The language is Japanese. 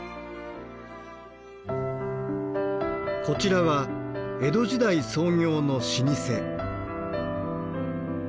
こちらは江戸時代創業の老舗。